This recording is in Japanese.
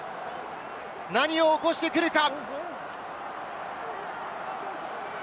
何を起こしてくるか？